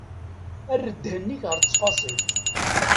Err ddhen-ik ɣer ttfaṣil.